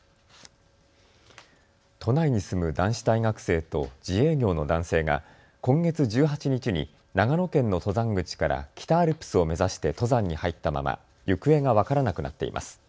都内に住む男子大学生と自営業の男性が今月１８日に長野県の登山口から北アルプスを目指して登山に入ったまま行方が分からなくなっています。